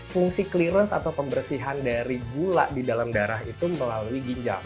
fungsi clearance atau pembersihan dari gula di dalam darah itu melalui ginjal